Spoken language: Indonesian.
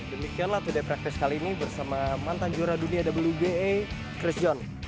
demikianlah today practice kali ini bersama mantan juara dunia wga chris john